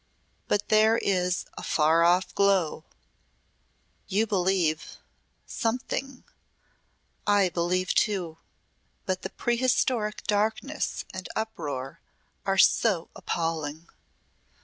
But there is a far off glow " "You believe something I believe too. But the prehistoric darkness and uproar are so appalling.